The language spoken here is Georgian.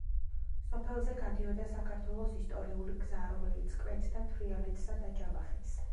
სოფელზე გადიოდა საქართველოს ისტორიული გზა, რომელიც კვეთდა თრიალეთსა და ჯავახეთს.